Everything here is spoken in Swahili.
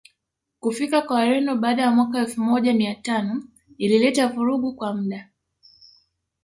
kufika kwa Wareno baada ya mwaka elfu moja mia tano ilileta vurugu kwa muda